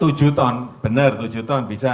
tujuh ton benar tujuh ton bisa